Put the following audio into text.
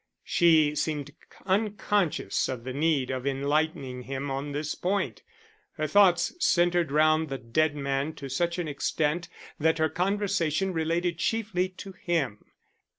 She seemed unconscious of the need of enlightening him on this point. Her thoughts centred round the dead man to such an extent that her conversation related chiefly to him.